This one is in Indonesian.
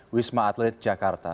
wisma atlet jakarta